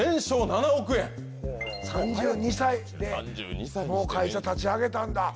３２歳でもう会社立ち上げたんだ